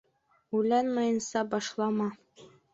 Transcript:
Уйламайынса башлама